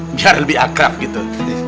biar lebih akrab gitu